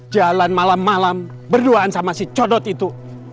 jalan malem malem berduaan sama si codot itu